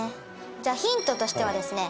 じゃあヒントとしてはですね